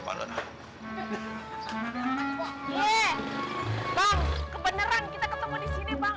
kebeneran kita ketemu disini bang